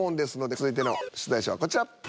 続いての出題者はこちら。